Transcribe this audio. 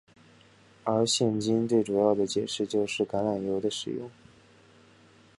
而现今最主要的解释就是橄榄油的使用。